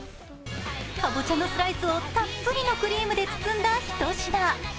カボチャのスライスをたっぷりのクリームで包んだひと品。